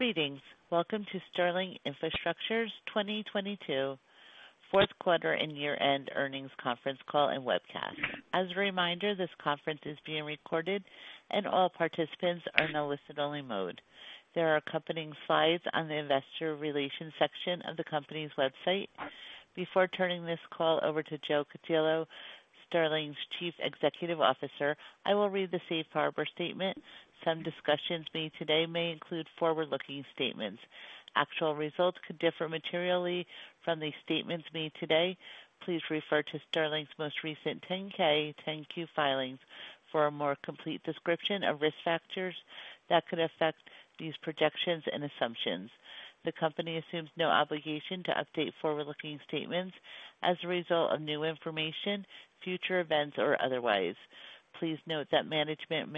Greetings. Welcome to Sterling Infrastructure's 2022 fourth quarter and year-end earnings conference call and webcast. As a reminder, this conference is being recorded and all participants are in a listen-only mode. There are accompanying slides on the investor relations section of the company's website. Before turning this call over to Joe Cutillo, Sterling's Chief Executive Officer, I will read the safe harbor statement. Some discussions made today may include forward-looking statements. Actual results could differ materially from these statements made today. Please refer to Sterling's most recent 10-K, 10-Q filings for a more complete description of risk factors that could affect these projections and assumptions. The company assumes no obligation to update forward-looking statements as a result of new information, future events, or otherwise. Please note that management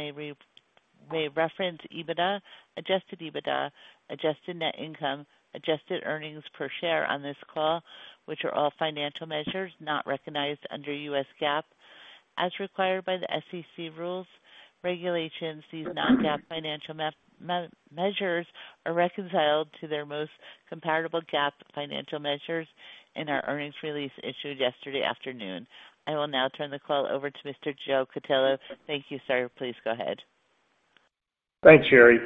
may reference EBITDA, adjusted EBITDA, adjusted net income, adjusted earnings per share on this call, which are all financial measures not recognized under U.S. GAAP. As required by the SEC rules regulations, these non-GAAP financial measures are reconciled to their most comparable GAAP financial measures in our earnings release issued yesterday afternoon. I will now turn the call over to Mr. Joe Cutillo. Thank you, sir. Please go ahead. Thanks, Sherry.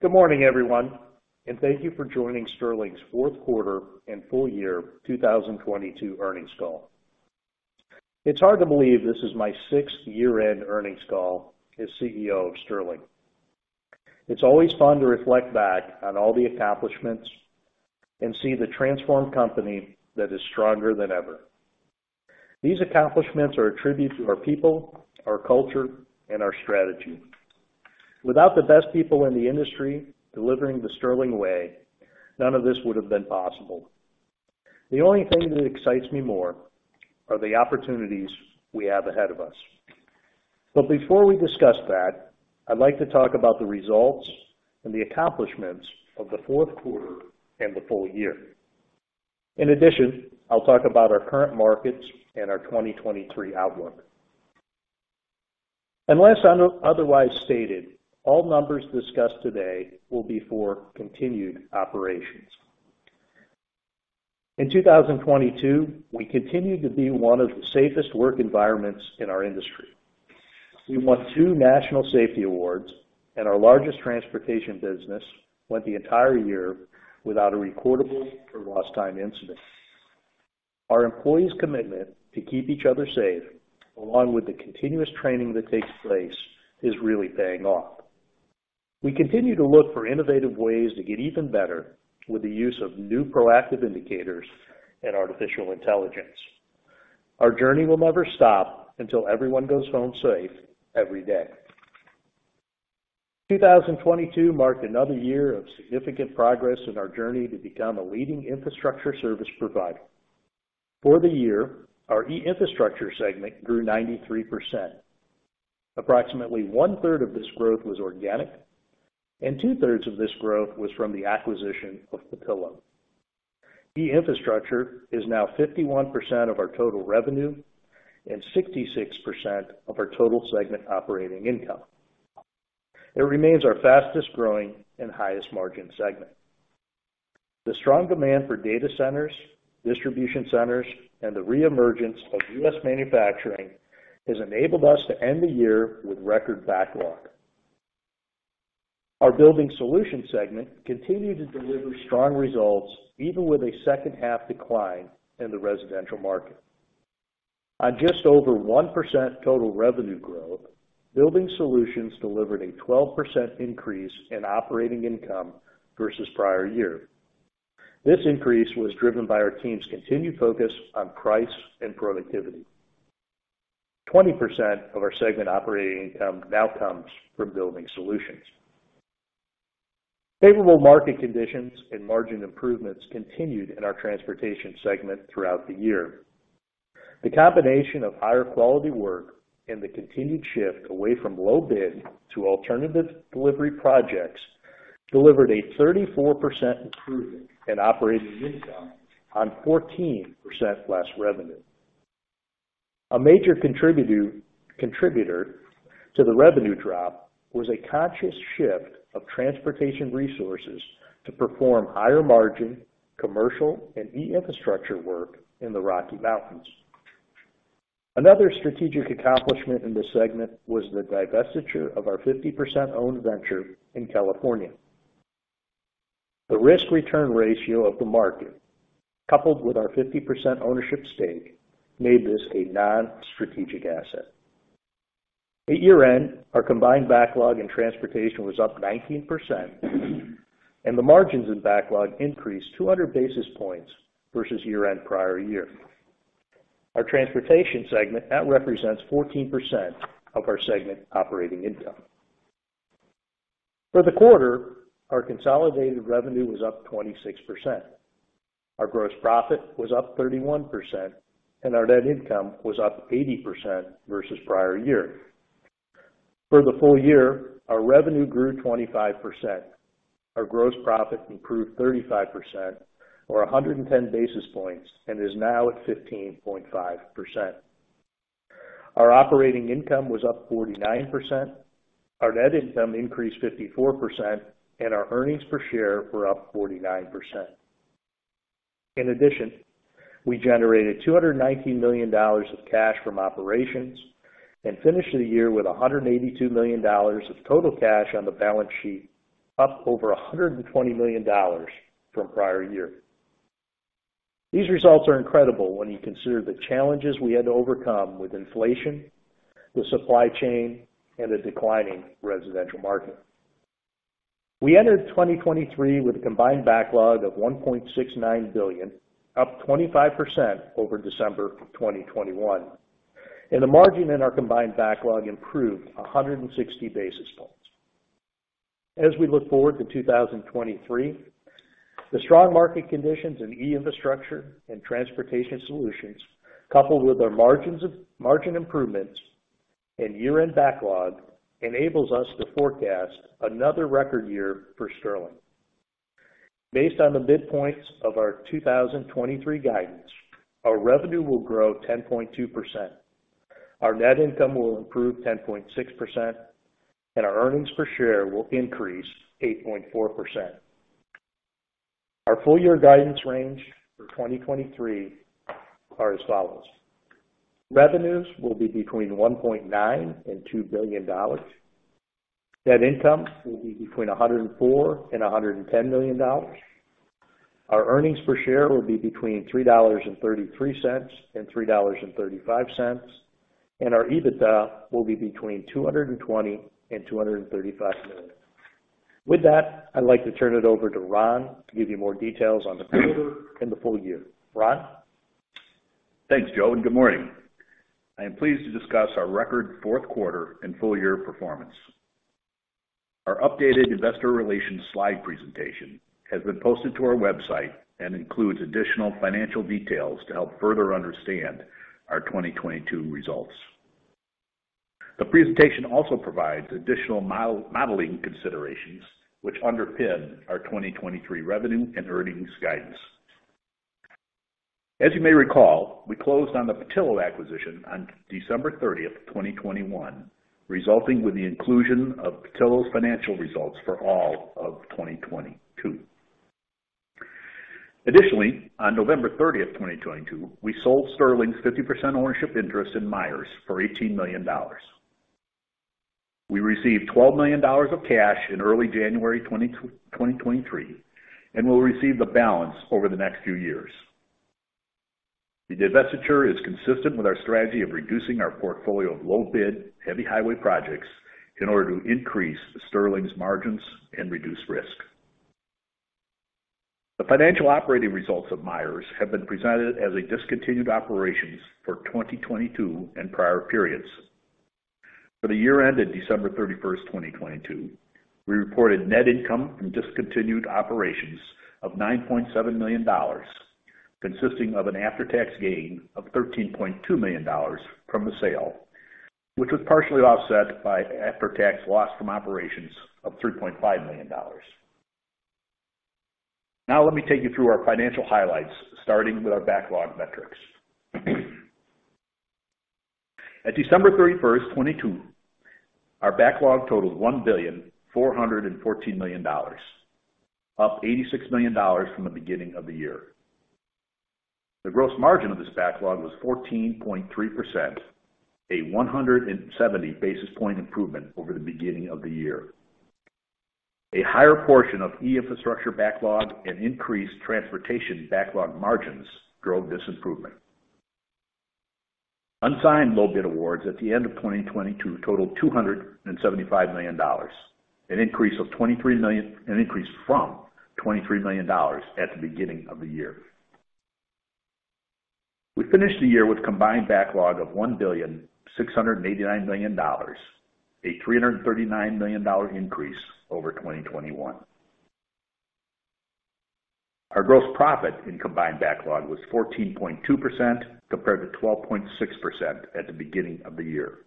Good morning, everyone, and thank you for joining Sterling's fourth quarter and full year 2022 earnings call. It's hard to believe this is my 6th year-end earnings call as CEO of Sterling. It's always fun to reflect back on all the accomplishments and see the transformed company that is stronger than ever. These accomplishments are a tribute to our people, our culture, and our strategy. Without the best people in the industry delivering the Sterling way, none of this would have been possible. The only thing that excites me more are the opportunities we have ahead of us. Before we discuss that, I'd like to talk about the results and the accomplishments of the fourth quarter and the full year. In addition, I'll talk about our current markets and our 2023 outlook. Unless otherwise stated, all numbers discussed today will be for continued operations. In 2022, we continued to be one of the safest work environments in our industry. We won two national safety awards, our largest Transportation business went the entire year without a recordable or lost time incident. Our employees' commitment to keep each other safe, along with the continuous training that takes place, is really paying off. We continue to look for innovative ways to get even better with the use of new proactive indicators and artificial intelligence. Our journey will never stop until everyone goes home safe every day. 2022 marked another year of significant progress in our journey to become a leading infrastructure service provider. The year, our E-Infrastructure segment grew 93%. Approximately 1/3 of this growth was organic, and 2/3 of this growth was from the acquisition of Petillo. E-Infrastructure is now 51% of our total revenue and 66% of our total segment operating income. It remains our fastest-growing and highest-margin segment. The strong demand for data centers, distribution centers, and the reemergence of U.S. manufacturing has enabled us to end the year with record backlog. Our Building Solutions segment continued to deliver strong results, even with a second-half decline in the residential market. On just over 1% total revenue growth, Building Solutions delivered a 12% increase in operating income versus prior year. This increase was driven by our team's continued focus on price and productivity. 20% of our segment operating income now comes from Building Solutions. Favorable market conditions and margin improvements continued in our Transportation segment throughout the year. The combination of higher quality work and the continued shift away from low bid to alternative delivery projects delivered a 34% improvement in operating income on 14% less revenue. A major contributor to the revenue drop was a conscious shift of Transportation resources to perform higher margin commercial and e-infrastructure work in the Rocky Mountains. Another strategic accomplishment in this segment was the divestiture of our 50% owned venture in California. The risk-return ratio of the market, coupled with our 50% ownership stake, made this a non-strategic asset. At year-end, our combined backlog in Transportation was up 19%, and the margins in backlog increased 200 basis points versus year-end prior year. Our Transportation segment, that represents 14% of our segment operating income. For the quarter, our consolidated revenue was up 26%. Our gross profit was up 31%, our net income was up 80% versus prior year. For the full year, our revenue grew 25%. Our gross profit improved 35% or 110 basis points and is now at 15.5%. Our operating income was up 49%. Our net income increased 54%, our earnings per share were up 49%. In addition, we generated $219 million of cash from operations and finished the year with $182 million of total cash on the balance sheet, up over $120 million from prior year. These results are incredible when you consider the challenges we had to overcome with inflation, the supply chain, and a declining residential market. We entered 2023 with a combined backlog of $1.69 billion, up 25% over December 2021. The margin in our combined backlog improved 160 basis points. As we look forward to 2023, the strong market conditions in E-Infrastructure Solutions and Transportation Solutions, coupled with our margin improvements and year-end backlog, enables us to forecast another record year for Sterling. Based on the midpoints of our 2023 guidance, our revenue will grow 10.2%, our net income will improve 10.6%, and our earnings per share will increase 8.4%. Our full year guidance range for 2023 are as follows: Revenues will be between $1.9 billion and $2 billion. Net income will be between $104 million and $100 million. Our earnings per share will be between $3.33 and $3.35, and our EBITDA will be between $220 million and $235 million. With that, I'd like to turn it over to Ron to give you more details on the quarter and the full year. Ron? Thanks, Joe. Good morning. I am pleased to discuss our record fourth quarter and full year performance. Our updated investor relations slide presentation has been posted to our website and includes additional financial details to help further understand our 2022 results. The presentation also provides additional modeling considerations which underpin our 2023 revenue and earnings guidance. As you may recall, we closed on the Petillo acquisition on December 30th, 2021, resulting with the inclusion of Petillo's financial results for all of 2022. On November 30th, 2022, we sold Sterling's 50% ownership interest in Myers for $18 million. We received $12 million of cash in early January 2023, we'll receive the balance over the next few years. The divestiture is consistent with our strategy of reducing our portfolio of low-bid heavy highway projects in order to increase Sterling's margins and reduce risk. The financial operating results of Myers have been presented as a discontinued operations for 2022 and prior periods. For the year ended December 31st, 2022, we reported net income from discontinued operations of $9.7 million, consisting of an after-tax gain of $13.2 million from the sale, which was partially offset by after-tax loss from operations of $3.5 million. Now let me take you through our financial highlights, starting with our backlog metrics. At December 31st, 2022, our backlog totaled $1,414 million, up $86 million from the beginning of the year. The gross margin of this backlog was 14.3%, a 170 basis point improvement over the beginning of the year. A higher portion of E-Infrastructure backlog and increased Transportation backlog margins drove this improvement. Unsigned low bid awards at the end of 2022 totaled $275 million, an increase from $23 million at the beginning of the year. We finished the year with combined backlog of $1.689 billion, a $339 million increase over 2021. Our gross profit in combined backlog was 14.2% compared to 12.6% at the beginning of the year.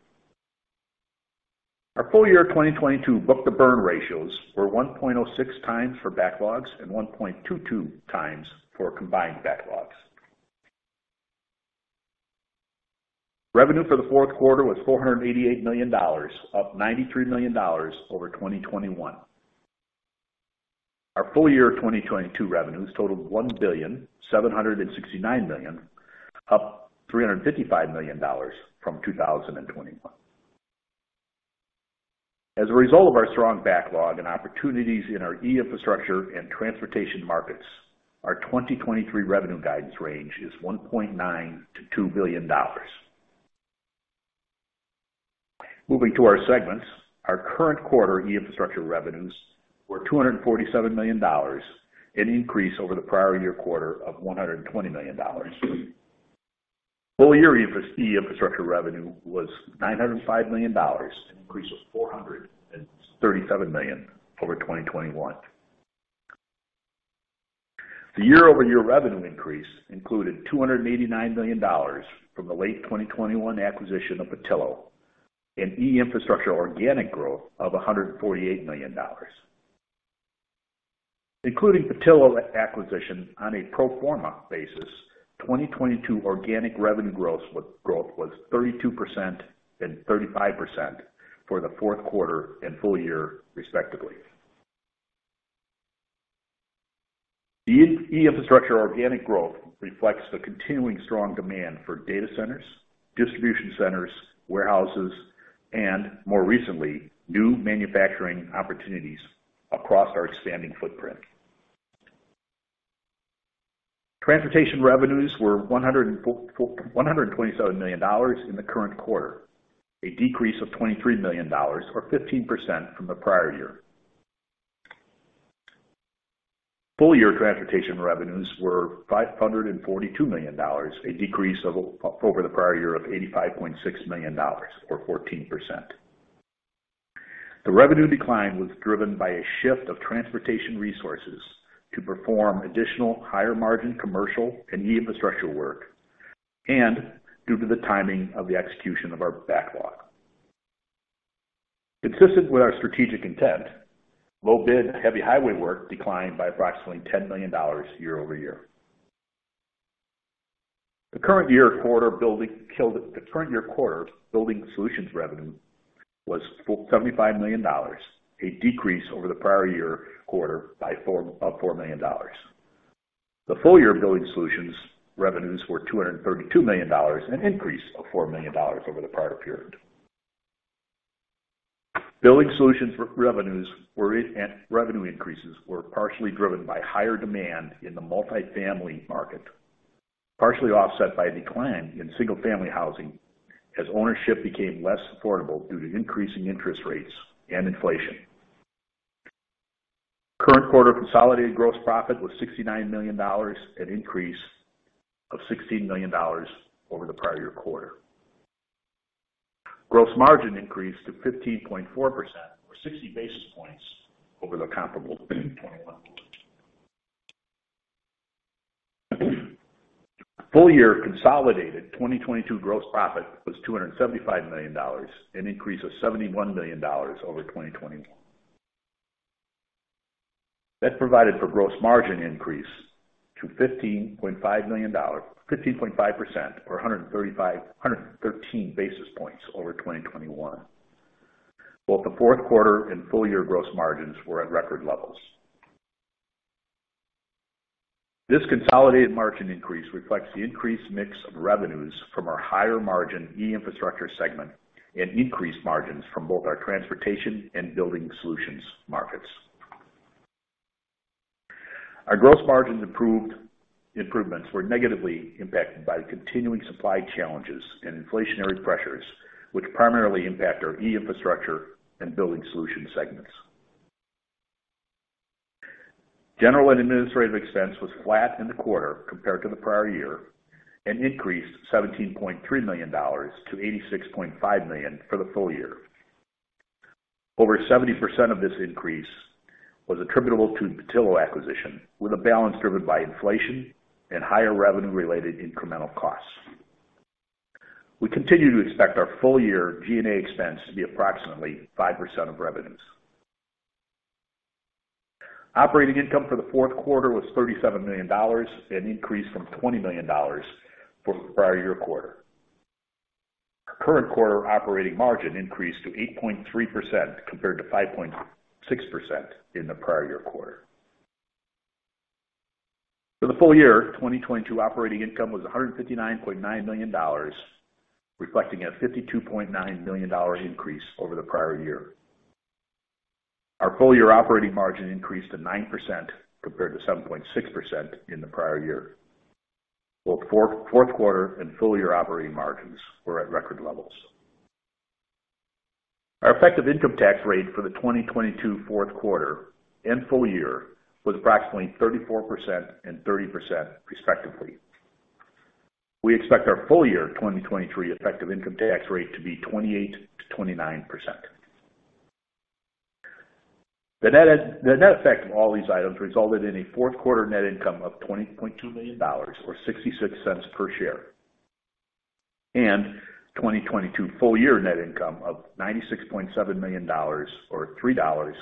Our full year 2022 book-to-burn ratios were 1.06x for backlogs and 1.22x for combined backlogs. Revenue for the fourth quarter was $488 million, up $93 million over 2021. Our full year 2022 revenues totaled $1.769 billion, up $355 million from 2021. As a result of our strong backlog and opportunities in our E-Infrastructure and Transportation markets, our 2023 revenue guidance range is $1.9 billion-$2 billion. Moving to our segments, our current quarter E-Infrastructure revenues were $247 million, an increase over the prior year quarter of $120 million. Full year E-Infrastructure revenue was $905 million, an increase of $437 million over 2021. The year-over-year revenue increase included $289 million from the late 2021 acquisition of Petillo and E-Infrastructure organic growth of $148 million. Including Petillo acquisition on a pro forma basis, 2022 organic revenue growth was 32% and 35% for the fourth quarter and full year respectively. The E-Infrastructure organic growth reflects the continuing strong demand for data centers, distribution centers, warehouses, and more recently, new manufacturing opportunities across our expanding footprint. Transportation revenues were $127 million in the current quarter, a decrease of $23 million or 15% from the prior year. Full year transportation revenues were $542 million, a decrease over the prior year of $85.6 million or 14%. The revenue decline was driven by a shift of transportation resources to perform additional higher margin commercial and e-infrastructure work, and due to the timing of the execution of our backlog. Consistent with our strategic intent, low bid heavy highway work declined by approximately $10 million year-over-year. The current year quarter Building Solutions revenue was $75 million, a decrease over the prior year quarter of $4 million. The full year Building Solutions revenues were $232 million, an increase of $4 million over the prior period. Building Solutions revenue increases were partially driven by higher demand in the multifamily market, partially offset by a decline in single-family housing as ownership became less affordable due to increasing interest rates and inflation. Current quarter consolidated gross profit was $69 million, an increase of $16 million over the prior year quarter. Gross margin increased to 15.4% or 60 basis points over the comparable 2021. Full year consolidated 2022 gross profit was $275 million, an increase of $71 million over 2021. That provided for gross margin increase to 15.5% or 113 basis points over 2021. Both the fourth quarter and full year gross margins were at record levels. This consolidated margin increase reflects the increased mix of revenues from our higher margin E-Infrastructure segment and increased margins from both our Transportation Solutions and Building Solutions markets. Our gross margins improvements were negatively impacted by continuing supply challenges and inflationary pressures, which primarily impact our E-Infrastructure and Building Solutions segments. General and administrative expense was flat in the quarter compared to the prior year, and increased $17.3 million-$86.5 million for the full year. Over 70% of this increase was attributable to the Petillo acquisition, with a balance driven by inflation and higher revenue related incremental costs. We continue to expect our full year G&A expense to be approximately 5% of revenues. Operating income for the fourth quarter was $37 million, an increase from $20 million for the prior year quarter. Current quarter operating margin increased to 8.3% compared to 5.6% in the prior year quarter. For the full year, 2022 operating income was $159.9 million, reflecting a $52.9 million increase over the prior year. Our full year operating margin increased to 9% compared to 7.6% in the prior year. Both fourth quarter and full year operating margins were at record levels. Our effective income tax rate for the 2022 fourth quarter and full year was approximately 34% and 30% respectively. We expect our full year 2023 effective income tax rate to be 28%-29%. The net effect of all these items resulted in a fourth quarter net income of $20.2 million or $0.66 per share, and 2022 full year net income of $96.7 million or $3.16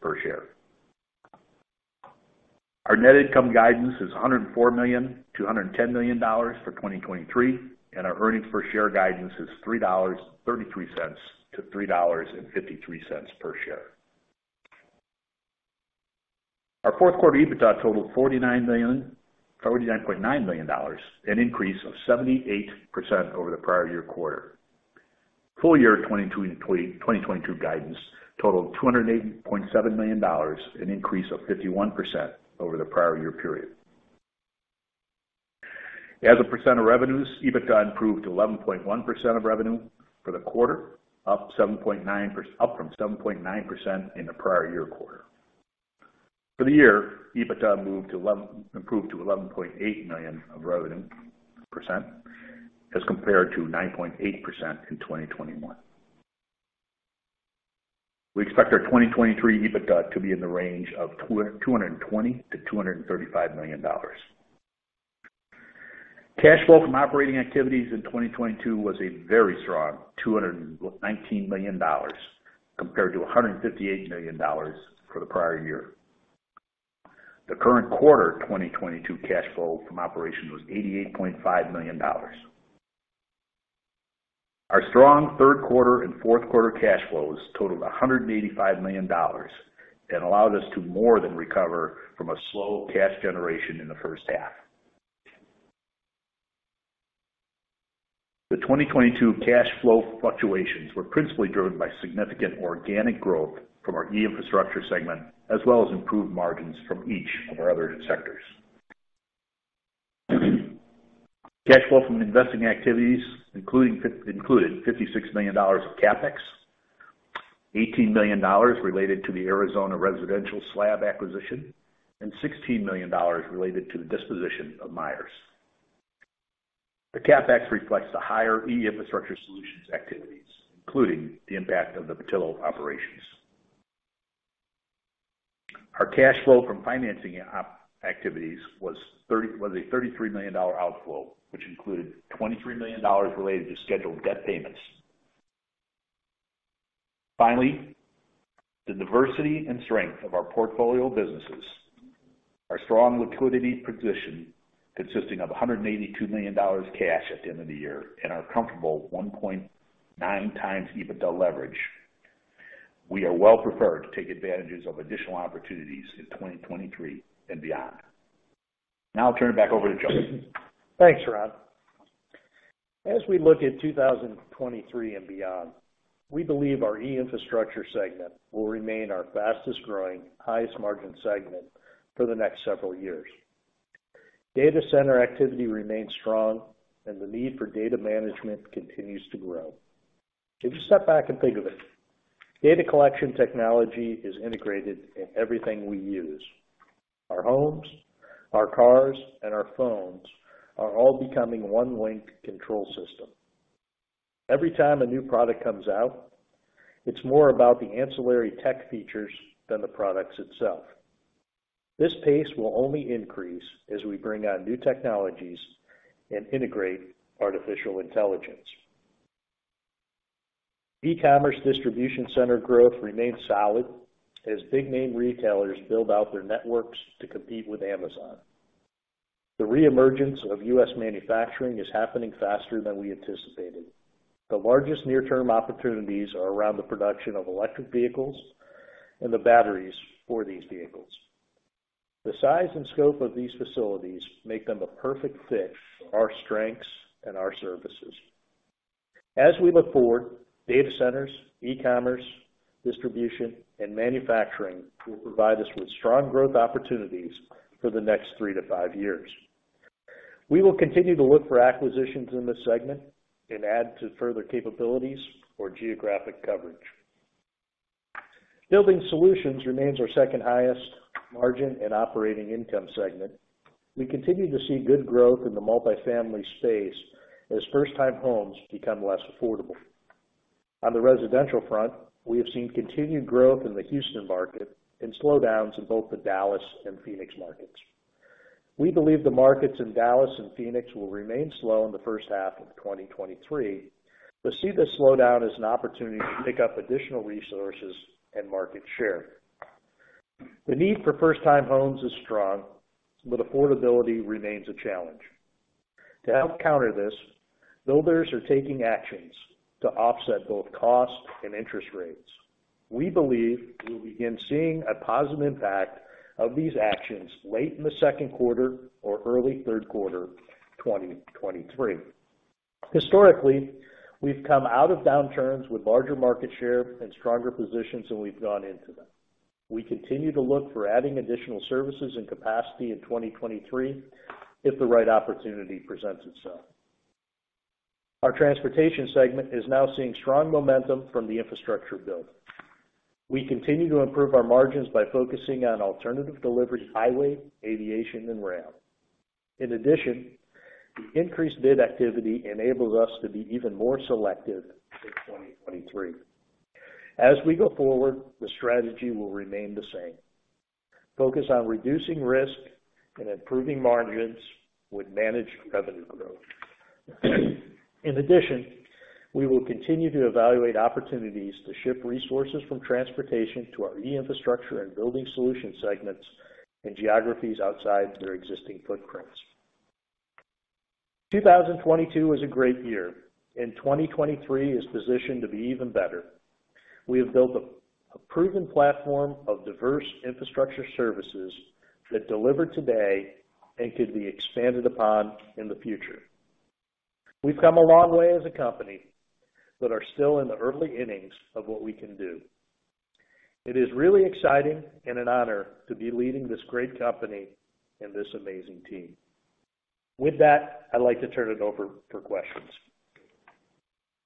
per share. Our net income guidance is $104 million-$110 million for 2023. Our earnings per share guidance is $3.33-$3.53 per share. Our fourth quarter EBITDA totaled $49.9 million, an increase of 78% over the prior year quarter. Full year 2022 guidance totaled $280.7 million, an increase of 51% over the prior year period. As a percent of revenues, EBITDA improved 11.1% of revenue for the quarter, up from 7.9% in the prior year quarter. For the year, EBITDA improved to 11.8 million of revenue percent as compared to 9.8% in 2021. We expect our 2023 EBITDA to be in the range of $220 million-$235 million. Cash flow from operating activities in 2022 was a very strong $219 million compared to $158 million for the prior year. The current quarter, 2022 cash flow from operation was $88.5 million. Our strong third quarter and fourth quarter cash flows totaled $185 million and allowed us to more than recover from a slow cash generation in the first half. The 2022 cash flow fluctuations were principally driven by significant organic growth from our E-Infrastructure segment, as well as improved margins from each of our other sectors. Cash flow from investing activities, including $56 million of CapEx, $18 million related to the Arizona residential slab acquisition, and $16 million related to the disposition of Myers. The CapEx reflects the higher E-Infrastructure Solutions activities, including the impact of the Petillo operations. Our cash flow from financing activities was a $33 million outflow, which included $23 million related to scheduled debt payments. The diversity and strength of our portfolio of businesses, our strong liquidity position, consisting of $182 million cash at the end of the year, and our comfortable 1.9x EBITDA leverage, we are well preferred to take advantages of additional opportunities in 2023 and beyond. I'll turn it back over to Joe. Thanks, Ron. As we look at 2023 and beyond, we believe our E-Infrastructure segment will remain our fastest-growing, highest margin segment for the next several years. Data center activity remains strong and the need for data management continues to grow. If you step back and think of it, data collection technology is integrated in everything we use. Our homes, our cars, and our phones are all becoming one link control system. Every time a new product comes out, it's more about the ancillary tech features than the products itself. This pace will only increase as we bring on new technologies and integrate artificial intelligence. E-commerce distribution center growth remains solid as big name retailers build out their networks to compete with Amazon. The re-emergence of U.S. manufacturing is happening faster than we anticipated. The largest near-term opportunities are around the production of electric vehicles and the batteries for these vehicles. The size and scope of these facilities make them a perfect fit for our strengths and our services. As we look forward, data centers, e-commerce, distribution, and manufacturing will provide us with strong growth opportunities for the next three to five years. We will continue to look for acquisitions in this segment and add to further capabilities or geographic coverage. Building Solutions remains our second highest margin and operating income segment. We continue to see good growth in the multifamily space as first-time homes become less affordable. On the residential front, we have seen continued growth in the Houston market and slowdowns in both the Dallas and Phoenix markets. We believe the markets in Dallas and Phoenix will remain slow in the first half of 2023, but see this slowdown as an opportunity to pick up additional resources and market share. The need for first time homes is strong, but affordability remains a challenge. To help counter this, builders are taking actions to offset both cost and interest rates. We believe we will begin seeing a positive impact of these actions late in the second quarter or early third quarter, 2023. Historically, we've come out of downturns with larger market share and stronger positions than we've gone into them. We continue to look for adding additional services and capacity in 2023 if the right opportunity presents itself. Our transportation segment is now seeing strong momentum from the infrastructure build. We continue to improve our margins by focusing on alternative delivery, highway, aviation and rail. The increased bid activity enables us to be even more selective in 2023. As we go forward, the strategy will remain the same. Focus on reducing risk and improving margins with managed revenue growth. We will continue to evaluate opportunities to ship resources from transportation to our e-infrastructure and building solution segments in geographies outside their existing footprints. 2022 was a great year, and 2023 is positioned to be even better. We have built a proven platform of diverse infrastructure services that deliver today and could be expanded upon in the future. We've come a long way as a company, but are still in the early innings of what we can do. It is really exciting and an honor to be leading this great company and this amazing team. With that, I'd like to turn it over for questions.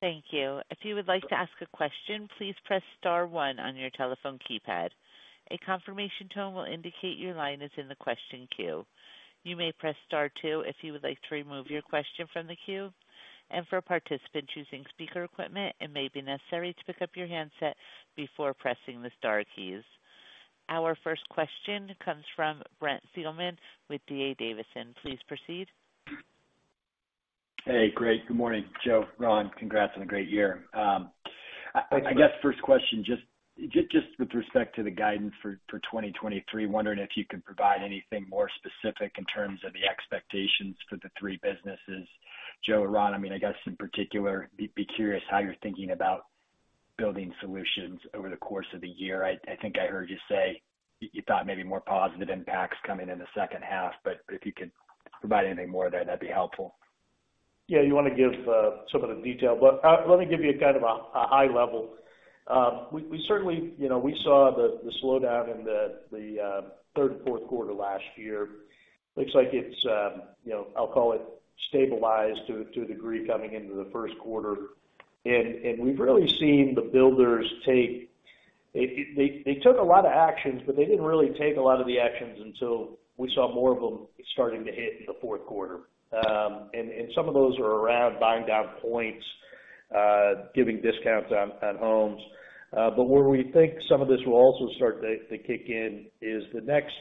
Thank you. If you would like to ask a question, please press star one on your telephone keypad. A confirmation tone will indicate your line is in the question queue. You may press star two if you would like to remove your question from the queue. For a participant choosing speaker equipment, it may be necessary to pick up your handset before pressing the star keys. Our first question comes from Brent Thielman with D.A. Davidson. Please proceed. Hey, great. Good morning, Joe, Ron. Congrats on a great year. I guess first question, just with respect to the guidance for 2023, wondering if you could provide anything more specific in terms of the expectations for the three businesses. Joe and Ron, I mean, I guess in particular, be curious how you're thinking about Building Solutions over the course of the year. I think I heard you say you thought maybe more positive impacts coming in the second half, but if you could provide any more there, that'd be helpful. Yeah. You wanna give some of the detail, but let me give you kind of a high level. We certainly, you know, we saw the slowdown in the third and fourth quarter last year. Looks like it's, you know, I'll call it stabilized to a degree coming into the first quarter. We've really seen the builders take. They took a lot of actions, but they didn't really take a lot of the actions until we saw more of them starting to hit in the fourth quarter. Some of those are around buying down points, giving discounts on homes. Where we think some of this will also start to kick in is the next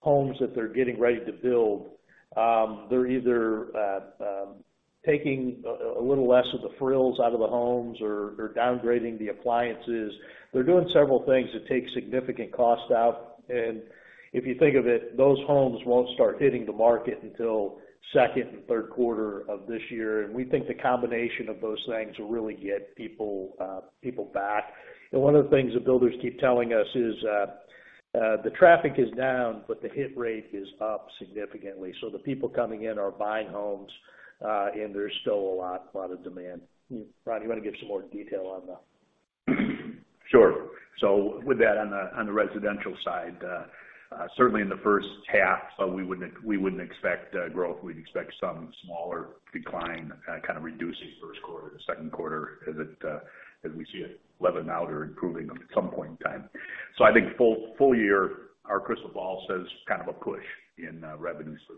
homes that they're getting ready to build, they're either taking a little less of the frills out of the homes or downgrading the appliances. They're doing several things that take significant cost out. If you think of it, those homes won't start hitting the market until 2nd and 3rd quarter of this year. We think the combination of those things will really get people back. One of the things the builders keep telling us is the traffic is down, but the hit rate is up significantly. The people coming in are buying homes, and there's still a lot of demand. Ron, you wanna give some more detail on that? Sure. With that on the residential side, certainly in the first half, we wouldn't expect growth. We'd expect some smaller decline, kind of reducing first quarter to second quarter as it, as we see it leveling out or improving them at some point in time. I think full year, our crystal ball says kind of a push in revenues for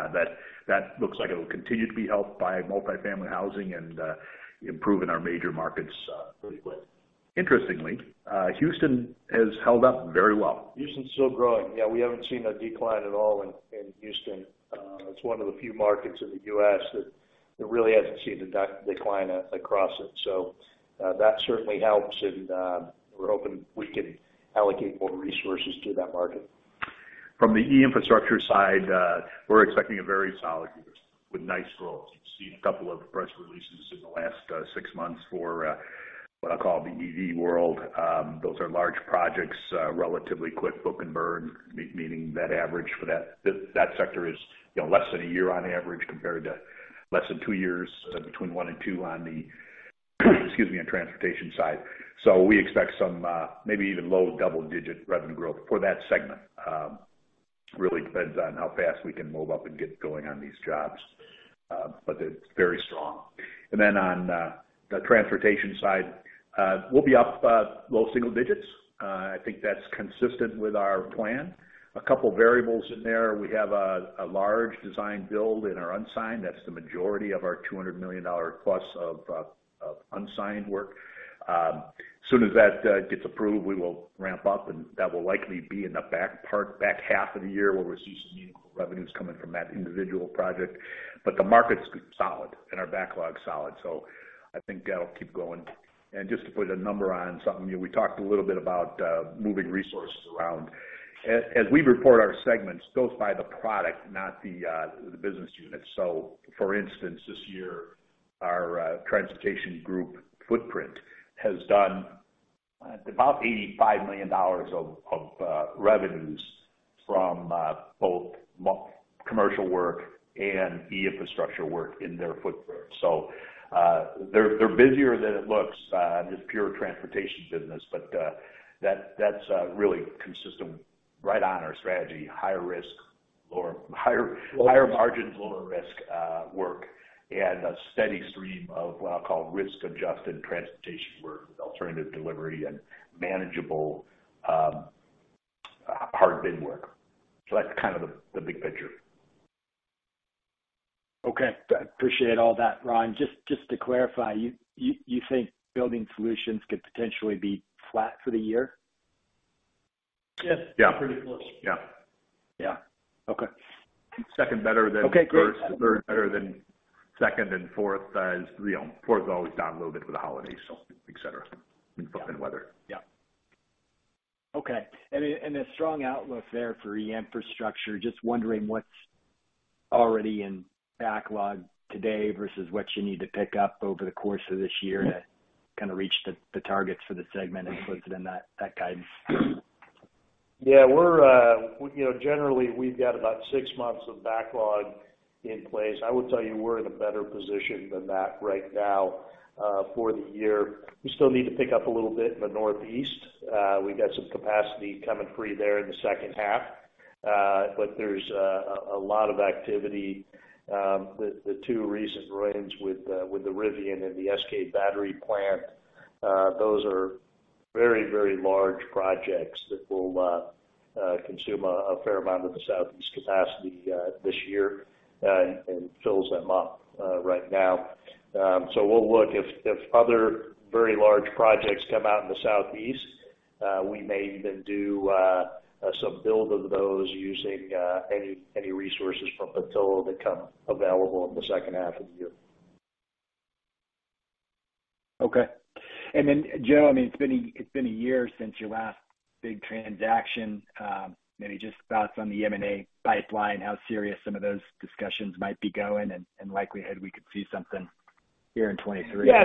the year. That looks like it will continue to be helped by multi-family housing and improving our major markets pretty quick. Interestingly, Houston has held up very well. Houston's still growing. Yeah, we haven't seen a decline at all in Houston. It's one of the few markets in the U.S. that really hasn't seen a decline across it. That certainly helps, and we're hoping we can allocate more resources to that market. From the E-Infrastructure side, we're expecting a very solid year with nice growth. You've seen a couple of press releases in the last six months for what I call the EV world. Those are large projects, relatively quick book and burn, meaning net average for that. That sector is, you know, less than one year on average, compared to less than two years, between one and two on the, excuse me, on Transportation side. We expect some, maybe even low double-digit revenue growth for that segment. Really depends on how fast we can move up and get going on these jobs, but it's very strong. Then on the Transportation side, we'll be up, low single digits. I think that's consistent with our plan. A couple variables in there. We have a large design-build in our unsigned. That's the majority of our $200 million+ of unsigned work. Soon as that gets approved, we will ramp up, and that will likely be in the back half of the year where we're seeing some unique revenues coming from that individual project. The market's solid and our backlog's solid, so I think that'll keep going. Just to put a number on something, you know, we talked a little bit about moving resources around. As we report our segments, goes by the product, not the business unit. For instance, this year, our Transportation group, Footprint, has done about $85 million of revenues from both commercial work and E-Infrastructure work in their footprint. They're busier than it looks, this pure transportation business. That's really consistent right on our strategy, higher risk, higher margins, lower risk work and a steady stream of what I call risk-adjusted transportation work, alternative delivery and manageable hard bid work. That's kind of the big picture. Okay. Appreciate all that, Ron. Just to clarify, you think Building Solutions could potentially be flat for the year? Yes. Yeah. Pretty close. Yeah. Yeah. Okay. Second better than- Okay, great. Third better than second and fourth as, you know, fourth is always down a little bit for the holidays, so etcetera, in weather. Yeah. Okay. A strong outlook there for E-Infrastructure. Just wondering what's already in backlog today versus what you need to pick up over the course of this year to kinda reach the targets for the segment included in that guidance. Yeah. We're, you know, generally, we've got about six months of backlog in place. I would tell you we're in a better position than that right now for the year. We still need to pick up a little bit in the Northeast. We've got some capacity coming free there in the second half. There's a lot of activity. The two recent wins with the Rivian and the SK battery plant, those are very, very large projects that will consume a fair amount of the Southeast capacity this year and fills them up right now. We'll look if other very large projects come out in the Southeast, we may even do some build of those using any resources from Petillo that come available in the second half of the year. Okay. Joe, I mean, it's been a year since your last big transaction. Maybe just thoughts on the M&A pipeline, how serious some of those discussions might be going, and likelihood we could see something here in 23. Yeah.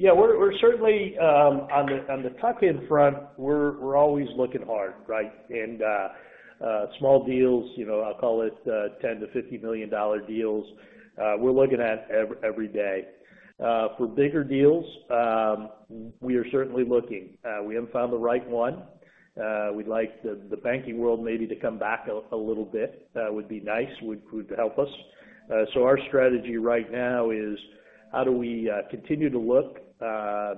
Yeah, we're certainly on the, on the top end front, we're always looking hard, right? Small deals, you know, I'll call it $10 million-$50 million deals, we're looking at every day. For bigger deals, we are certainly looking. We haven't found the right one. We'd like the banking world maybe to come back a little bit. That would be nice. Would help us. Our strategy right now is how do we continue to look,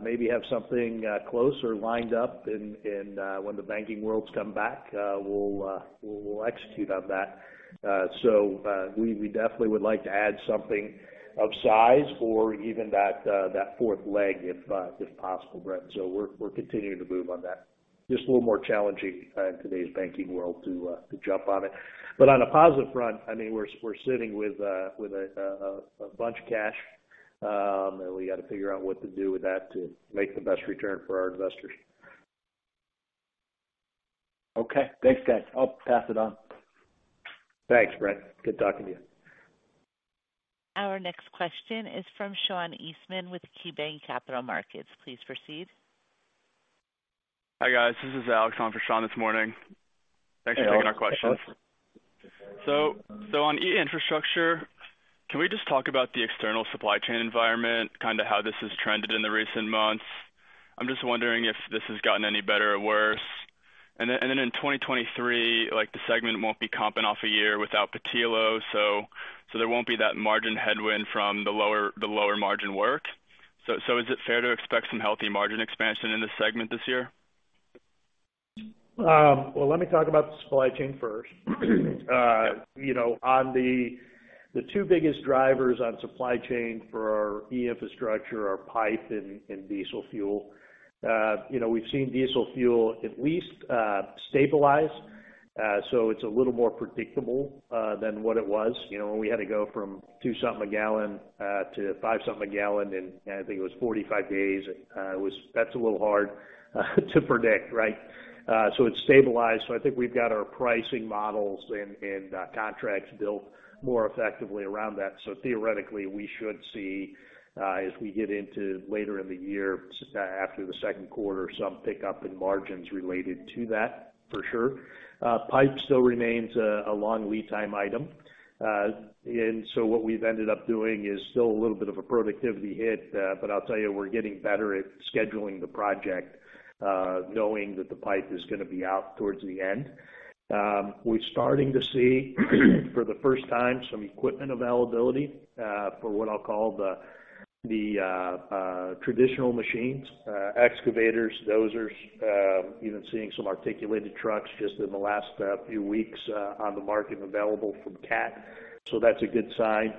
maybe have something close or lined up when the banking worlds come back, we'll execute on that. We, we definitely would like to add something of size or even that fourth leg if possible, Brent. We're continuing to move on that. Just a little more challenging in today's banking world to jump on it. On a positive front, I mean, we're sitting with a bunch of cash, and we got to figure out what to do with that to make the best return for our investors. Okay. Thanks, guys. I'll pass it on. Thanks, Brent. Good talking to you. Our next question is from Sean Eastman with KeyBanc Capital Markets. Please proceed. Hi, guys. This is Alex on for Sean this morning. Thanks for taking our questions. Hello. On E-Infrastructure, can we just talk about the external supply chain environment, kind of how this has trended in the recent months? I'm just wondering if this has gotten any better or worse. Then in 2023, like, the segment won't be comping off a year without Petillo, so there won't be that margin headwind from the lower margin work. Is it fair to expect some healthy margin expansion in this segment this year? Well, let me talk about the supply chain first. you know, on the two biggest drivers on supply chain for our E-Infrastructure are pipe and diesel fuel. you know, we've seen diesel fuel at least, stabilize. It's a little more predictable, than what it was, you know, when we had to go from two something a gallon, to five something a gallon in, I think it was 45 days. That's a little hard, to predict, right? It's stabilized. I think we've got our pricing models and contracts built more effectively around that. Theoretically, we should see, as we get into later in the year, after the second quarter, some pickup in margins related to that for sure. pipe still remains a long lead time item. What we've ended up doing is still a little bit of a productivity hit. I'll tell you, we're getting better at scheduling the project, knowing that the pipe is gonna be out towards the end. We're starting to see, for the first time, some equipment availability, for what I'll call the, traditional machines, excavators, dozers, even seeing some articulated trucks just in the last few weeks, on the market available from Cat. That's a good sign.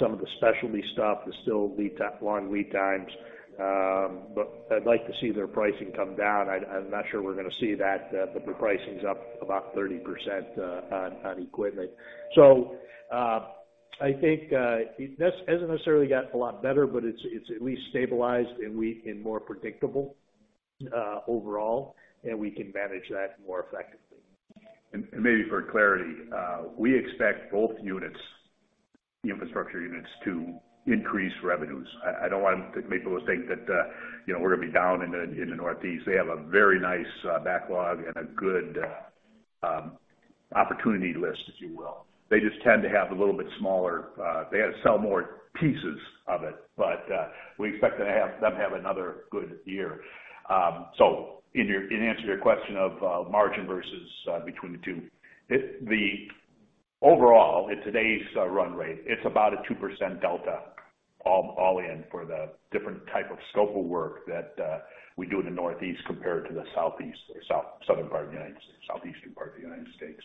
Some of the specialty stuff is still long lead times, I'd like to see their pricing come down. I'm not sure we're gonna see that, the pricing's up about 30% on equipment. I think, it hasn't necessarily got a lot better, but it's at least stabilized and more predictable, overall, and we can manage that more effectively. Maybe for clarity, we expect both units, the infrastructure units to increase revenues. I don't want to make people think that, you know, we're gonna be down in the Northeast. They have a very nice backlog and a good opportunity list, if you will. They just tend to have a little bit smaller. They had to sell more pieces of it, but we expect them have another good year. In answer to your question of margin versus between the two. The overall, at today's run rate, it's about a 2% delta all in for the different type of scope of work that we do in the Northeast compared to the Southeast or Southern part of the United States, Southeastern part of the United States.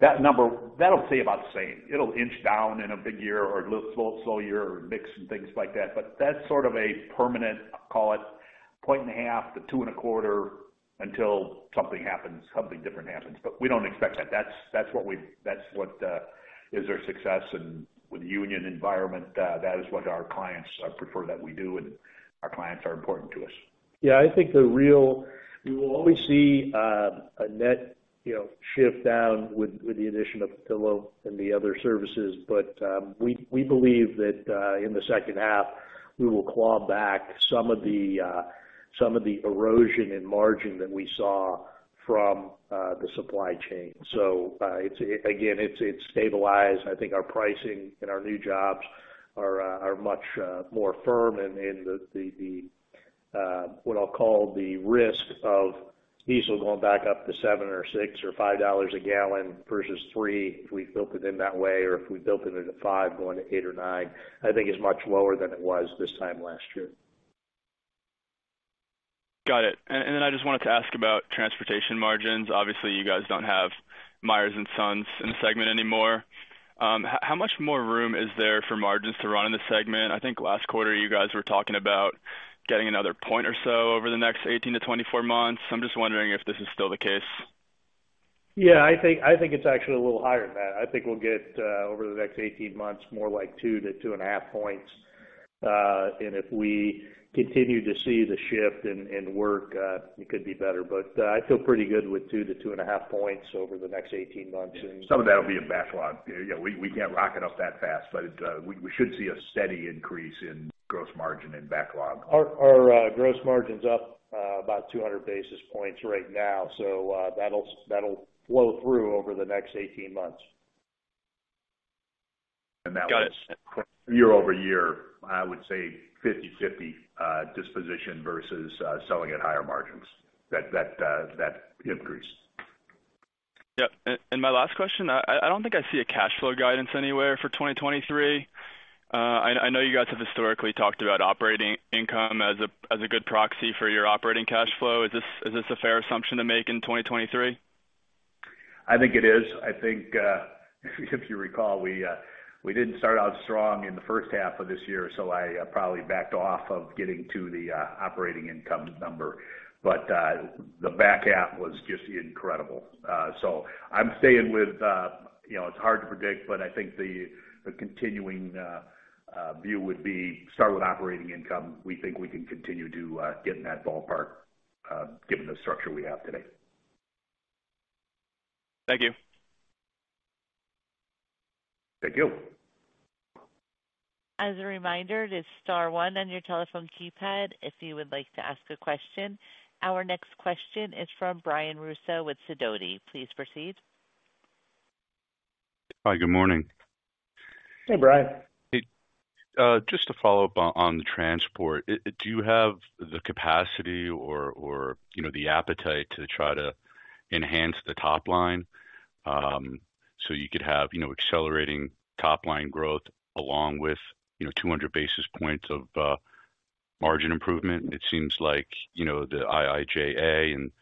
That number, that'll stay about the same. It'll inch down in a big year or a little slow year or mix and things like that, but that's sort of a permanent, I'll call it point and a half to two and a quarter until something happens, something different happens. We don't expect that. That's what is our success and with the union environment, that is what our clients prefer that we do, and our clients are important to us. We will always see, a net, you know, shift down with the addition of Petillo and the other services. We believe that in the second half, we will claw back some of the erosion in margin that we saw from the supply chain. Again, it's stabilized. I think our pricing and our new jobs are much more firm in the what I'll call the risk of diesel going back up to $7 or $6 or $5 a gallon versus $3, if we built it in that way, or if we built it into $5, going to $8 or $9, I think is much lower than it was this time last year. Got it. I just wanted to ask about Transportation margins. Obviously, you guys don't have Myers & Sons in the segment anymore. How much more room is there for margins to run in the segment? I think last quarter you guys were talking about getting another 1 point or so over the next 18 to 24 months. I'm just wondering if this is still the case. Yeah, I think it's actually a little higher than that. I think we'll get over the next 18 months, more like 2 to 2.5 points. If we continue to see the shift and work, it could be better, but I feel pretty good with 2 to 2.5 points over the next 18 months. Some of that will be in backlog. You know, we can't rock it up that fast, but we should see a steady increase in gross margin and backlog. Our gross margin's up, about 200 basis points right now, so, that'll flow through over the next 18 months. Got it. That was year-over-year, I would say 50/50, disposition versus, selling at higher margins. That increase. Yeah. My last question, I don't think I see a cash flow guidance anywhere for 2023. I know you guys have historically talked about operating income as a good proxy for your operating cash flow. Is this a fair assumption to make in 2023? I think it is. I think, if you recall, we didn't start out strong in the first half of this year, so I probably backed off of getting to the operating income number. The back half was just incredible. I'm staying with, you know, it's hard to predict, but I think the continuing view would be start with operating income. We think we can continue to get in that ballpark, given the structure we have today. Thank you. Thank you. As a reminder, it is star one on your telephone keypad if you would like to ask a question. Our next question is from Brian Russo with Sidoti. Please proceed. Hi, good morning. Hey, Brian. Hey. Just to follow up on the transport. Do you have the capacity or, you know, the appetite to try to enhance the top line? You could have, you know, accelerating top line growth along with, you know, 200 basis points of margin improvement. It seems like, you know, the IIJA and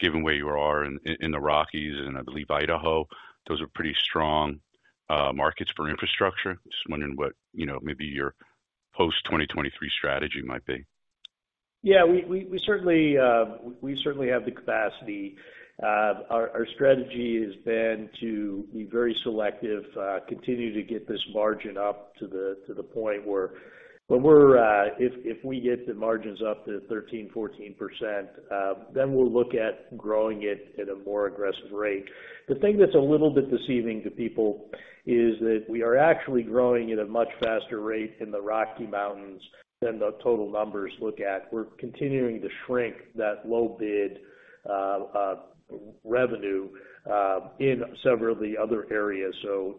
given where you are in the Rockies, and I believe Idaho, those are pretty strong markets for infrastructure. Just wondering what, you know, maybe your post-2023 strategy might be. Yeah, we certainly have the capacity. Our strategy has been to be very selective, continue to get this margin up to the point where when we get the margins up to 13%, 14%, then we'll look at growing it at a more aggressive rate. The thing that's a little bit deceiving to people is that we are actually growing at a much faster rate in the Rocky Mountains than the total numbers look at. We're continuing to shrink that low bid revenue in several of the other areas.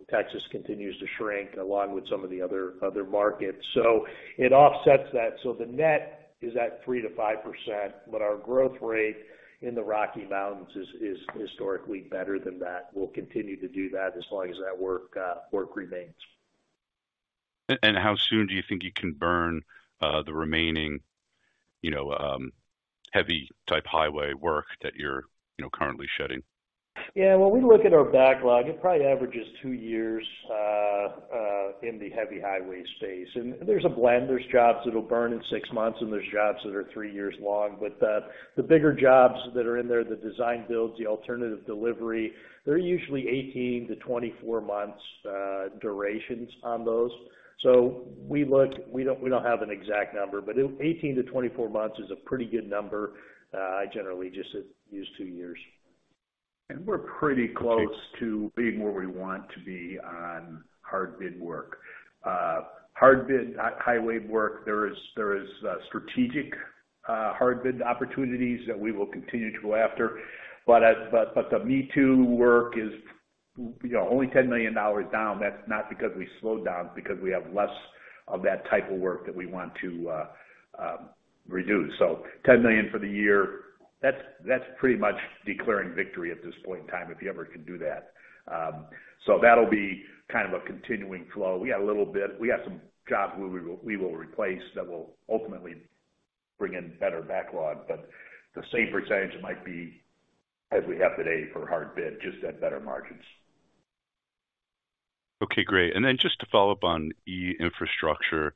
Texas continues to shrink along with some of the other markets. It offsets that. The net is at 3%-5%, but our growth rate in the Rocky Mountains is historically better than that. We'll continue to do that as long as that work remains. How soon do you think you can burn, the remaining, you know, heavy type highway work that you're, you know, currently shedding? When we look at our backlog, it probably averages two years in the heavy highway space. There's a blend. There's jobs that'll burn in six months, and there's jobs that are three years long. The bigger jobs that are in there, the design-builds, the alternative delivery, they're usually 18-24 months durations on those. We don't have an exact number, but 18-24 months is a pretty good number. I generally just use two years. We're pretty close to being where we want to be on hard bid work. Hard bid highway work there is strategic hard bid opportunities that we will continue to go after. But the me too work is, you know, only $10 million down. That's not because we slowed down, it's because we have less of that type of work that we want to reduce. $10 million for the year, that's pretty much declaring victory at this point in time, if you ever can do that. That'll be kind of a continuing flow. We got some jobs we will replace that will ultimately bring in better backlog, but the same percentage might be as we have today for hard bid, just at better margins. Okay, great. Just to follow up on E-Infrastructure,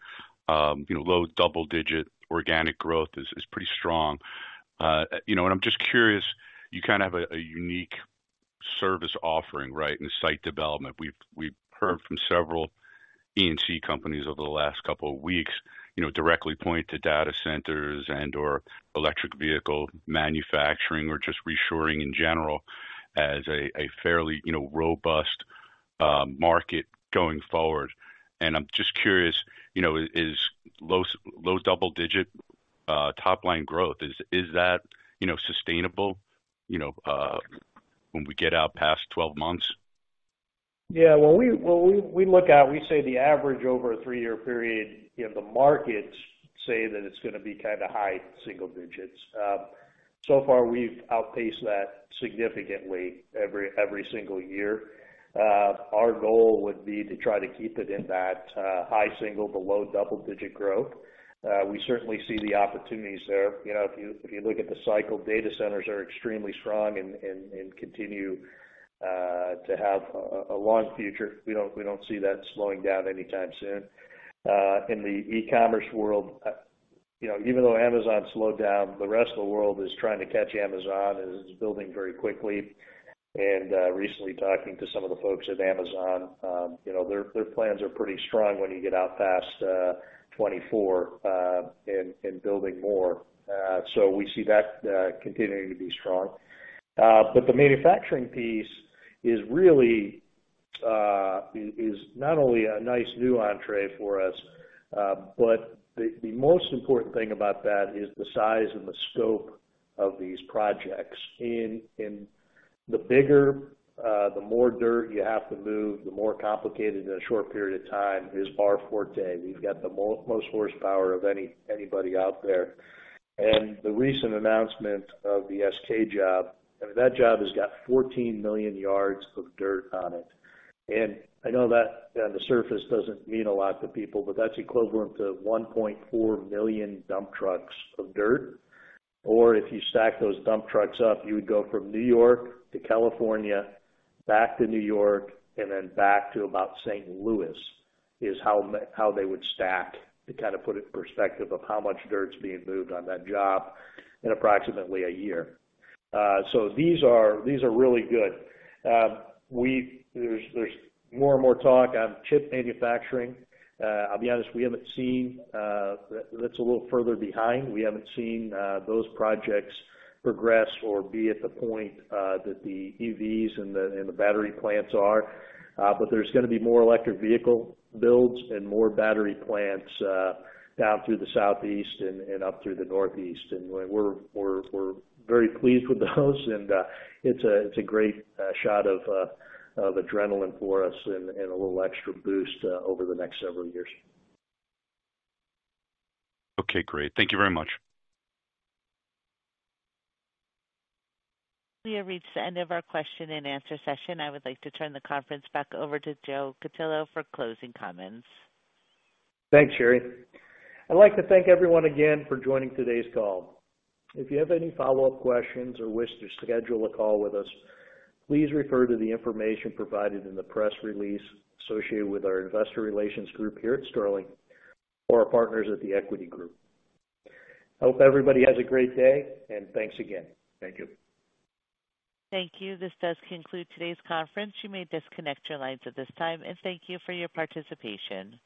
you know, low double-digit organic growth is pretty strong. You know, I'm just curious, you kind of have a unique service offering, right, in site development. We've heard from several E&C companies over the last couple of weeks, you know, directly point to data centers and/or electric vehicle manufacturing or just reshoring in general as a fairly, you know, robust market going forward. I'm just curious, you know, is low double-digit top line growth, is that, you know, sustainable, you know, when we get out past 12 months? When we look at, we say the average over a three-year period in the markets say that it's gonna be kind of high single digits. Far, we've outpaced that significantly every single year. Our goal would be to try to keep it in that high single to low double-digit growth. We certainly see the opportunities there. You know, if you look at the cycle, data centers are extremely strong and continue to have a long future. We don't see that slowing down anytime soon. In the e-commerce world, you know, even though Amazon slowed down, the rest of the world is trying to catch Amazon and is building very quickly. Recently talking to some of the folks at Amazon, you know, their plans are pretty strong when you get out past 2024 and building more. We see that continuing to be strong. The manufacturing piece is really not only a nice new entree for us, but the most important thing about that is the size and the scope of these projects. In the bigger, the more dirt you have to move, the more complicated in a short period of time is our forte. We've got the most horsepower of anybody out there. The recent announcement of the SK job, I mean, that job has got 14 million yards of dirt on it. I know that on the surface doesn't mean a lot to people, but that's equivalent to 1.4 million dump trucks of dirt. If you stack those dump trucks up, you would go from New York to California, back to New York, and then back to about St. Louis, is how how they would stack, to kind of put it in perspective of how much dirt's being moved on that job in approximately a year. These are really good. There's more and more talk on chip manufacturing. I'll be honest, we haven't seen, that's a little further behind. We haven't seen those projects progress or be at the point that the EVs and the battery plants are. There's gonna be more electric vehicle builds and more battery plants down through the southeast and up through the northeast. We're very pleased with those. It's a great shot of adrenaline for us and a little extra boost over the next several years. Okay, great. Thank you very much. We have reached the end of our question-and-answer session. I would like to turn the conference back over to Joe Cutillo for closing comments. Thanks, Sherry. I'd like to thank everyone again for joining today's call. If you have any follow-up questions or wish to schedule a call with us, please refer to the information provided in the press release associated with our investor relations group here at Sterling or our partners at The Equity Group. I hope everybody has a great day, and thanks again. Thank you. Thank you. This does conclude today's conference. You may disconnect your lines at this time. Thank you for your participation.